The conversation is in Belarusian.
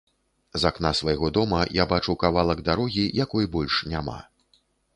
З акна свайго дома я бачу кавалак дарогі, якой больш няма.